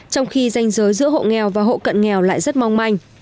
trong khi danh giới giữa hộ nghèo và hộ cận nghèo lại rất mong manh